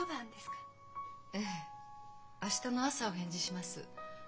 明日の朝お返事します。